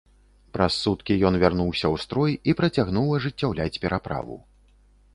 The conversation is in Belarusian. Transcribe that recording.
Праз суткі ён вярнуўся ў строй і працягнуў ажыццяўляць пераправу.